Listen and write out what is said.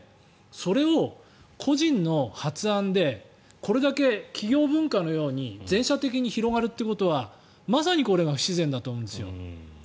それを個人の発案でこれだけ企業文化のように全社的に広がるっていうことはまさにこれが不自然だと思うんですよ。